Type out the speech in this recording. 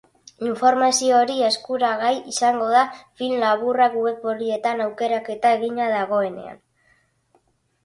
Informazio hori eskuragai izango da film laburrak web orrietan aukeraketa egina dagoenan.